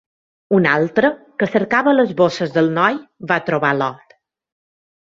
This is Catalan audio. Un altre, que cercava a les bosses del noi, va trobar l'or.